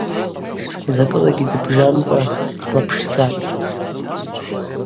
Закӏылагьи дыбжамкӏва длапшдзапӏ.